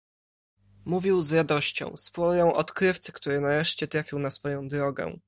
Mówił z radością, z furią odkrywcy, który nareszcie trafił na swoją drogę.